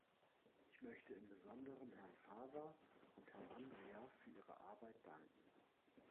Ich möchte im Besonderen Herrn Fava und Herrn Andria für ihre Arbeit danken.